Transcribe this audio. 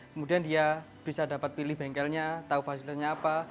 kemudian dia bisa dapat pilih bengkelnya tahu fasilitasnya apa